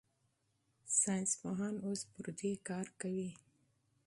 ساینسپوهان اوس پر دې کار کوي.